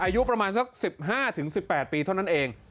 อายุประมาณสัก๑๕๑๘ปีเท่านั้นเอง